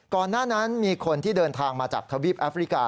ก่อนหน้านั้นมีคนที่เดินทางมาจากทวีปแอฟริกา